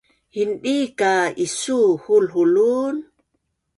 Hindii ka isuu hulhul un